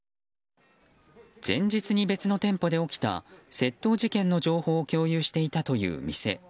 前日に別の店舗で起きた窃盗事件の情報を共有していたという店。